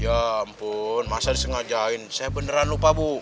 ya ampun masa disengajain saya beneran lupa bu